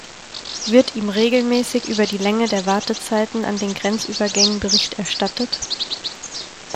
Wird ihm regelmäßig über die Länge der Wartezeiten an den Grenzübergängen Bericht erstattet?